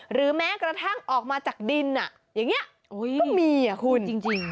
หรือแม้กระทั่งออกมาจากดินอย่างนี้ก็มีอ่ะคุณจริง